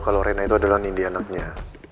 kalau rena itu adalah nindianaknya